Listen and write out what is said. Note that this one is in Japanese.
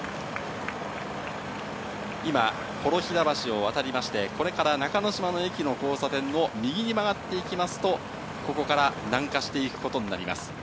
今、幌平橋を渡りまして、これから中の島の駅の交差点を右に曲がっていきますと、ここから南下していくことになります。